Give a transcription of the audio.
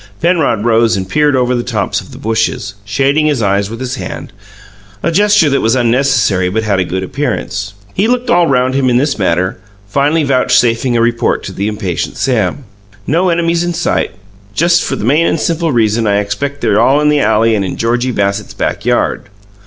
Penrod rose and peered over the tops of the bushes, shading his eyes with his hand, a gesture that was unnecessary but had a good appearance. He looked all round about him in this manner, finally vouchsafing a report to the impatient Sam. "No enemies in sight just for the main and simple reason I expect they're all in the alley and in Georgie Bassett's backyard."